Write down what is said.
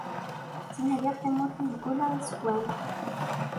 Ttnadiɣ tamurt ideg ula iẓekwan.